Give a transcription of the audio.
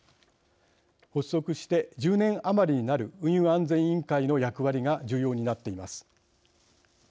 発足して１０年余りになる運輸安全委員会の役割が重要になっています。